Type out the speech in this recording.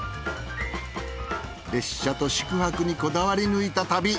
列車と宿泊にこだわり抜いた旅。